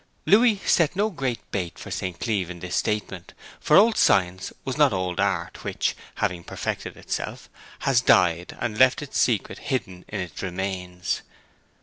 Louis set no great bait for St. Cleeve in this statement, for old science was not old art which, having perfected itself, has died and left its secret hidden in its remains.